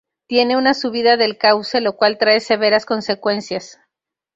Tiene una subida del cauce lo cual trae severas consecuencias.